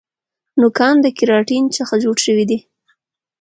نوکان د کیراټین څخه جوړ شوي دي